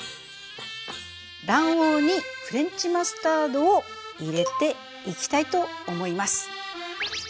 卵黄にフレンチマスタードを入れていきたいと思います。